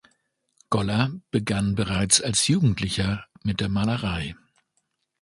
Goller begann bereits als Jugendlicher mit der Malerei.